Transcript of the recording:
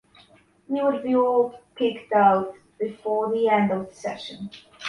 You would be all kicked out before the end of the session.